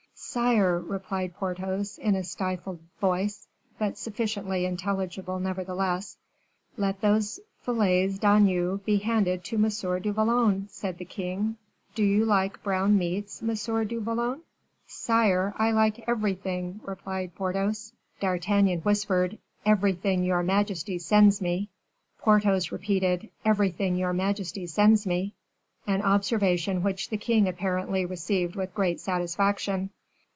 "Sire," replied Porthos, in a stifled voice, but sufficiently intelligible, nevertheless. "Let those filets d'agneau be handed to Monsieur du Vallon," said the king; "do you like brown meats, M. du Vallon?" "Sire, I like everything," replied Porthos. D'Artagnan whispered: "Everything your majesty sends me." Porthos repeated: "Everything your majesty sends me," an observation which the king apparently received with great satisfaction.